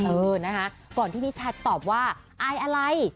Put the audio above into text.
เออนะคะก่อนที่นิชาตอบว่าอายอะไร